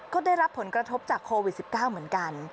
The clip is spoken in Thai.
ก็ได้รับผลกระทบจากโควิด๑๙เหมือนกัน